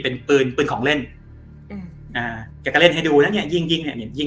เป็นปืนของเล่นเขาก็เล่นให้ดูแล้ว